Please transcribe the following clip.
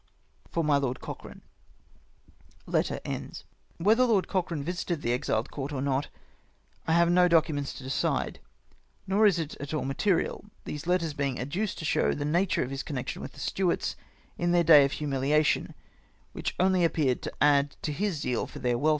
" For my Lord Cochrane." Wlietlier Lord Coclu ane visited tlie exiled court or not, I have no documents to decide ; nor is it at all material; these letters being adduced to show the nature of his connection wdtli the Stuarts in their day of liumihation, which only appeared to add to his zeal for their welfare.